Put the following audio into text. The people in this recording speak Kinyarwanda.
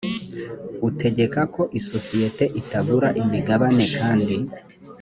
utegeka ko isosiyete itagura imigabane kandi